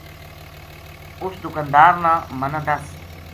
اُس دکاندار نا منا دس